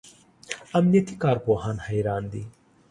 امنیتي کارپوهان حیران دي.